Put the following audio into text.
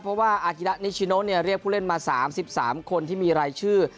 เพราะว่าอาธินัคนิชชิโนเนี่ยเรียกผู้เล่นมาสามสิบสามคนที่มีรายชื่อ